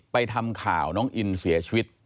ทำข่าวน้องอินเสียชีวิต